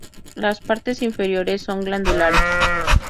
Las partes inferiores son glandulares.